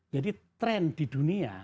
jadi tren di dunia